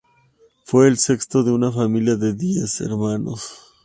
Fue el sexto de una familia de diez hermanos.